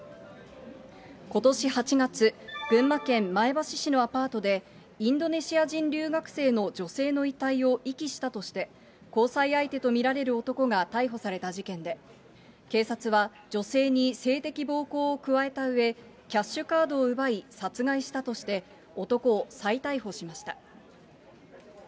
ことし８月、群馬県前橋市のアパートで、インドネシア人留学生の女性の遺体を遺棄したとして、交際相手と見られる男が逮捕された事件で、警察は女性に性的暴行を加えたうえ、キャッシュカードを奪い、殺害したとして、男を再逮捕しました。